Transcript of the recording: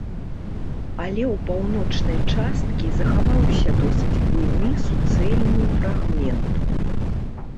Але ў паўночнай часткі захаваўся досыць буйны суцэльны фрагмент.